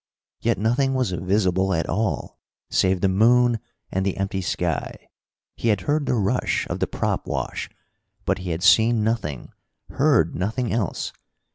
Yet nothing was visible at all, save the moon and the empty sky. He had heard the rush of the prop wash, but he had seen nothing, heard nothing else.